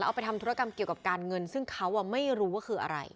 เอาไปทำธุรกรรมเกี่ยวกับการเงินซึ่งเขาไม่รู้ว่าคืออะไร